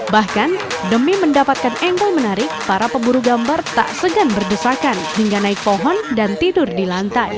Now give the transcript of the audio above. bahkan demi mendapatkan angle menarik para pemburu gambar tak segan berdesakan hingga naik pohon dan tidur di lantai